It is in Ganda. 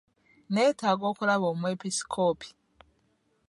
Nneetaaga okulaba omwepisikoopi.